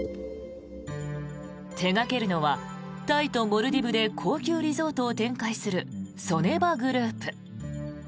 手掛けるのはタイとモルディブで高級リゾートを展開するソネバグループ。